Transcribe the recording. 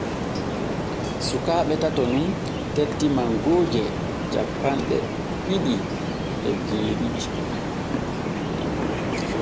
Sukaaɓe tato nun tetti mangooje cappanɗe ɗiɗi e jeeɗiɗi.